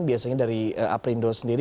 biasanya dari aprindo sendiri